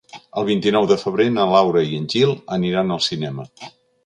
El vint-i-nou de febrer na Laura i en Gil aniran al cinema.